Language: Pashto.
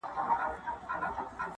په دنیا کي چي هر څه کتابخانې دي-